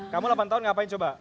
kamu delapan tahun ngapain coba